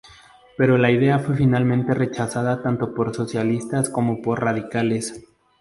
Pero la idea fue finalmente rechazada tanto por socialistas como por radicales.